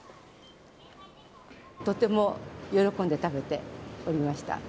とても喜んで食べておりました。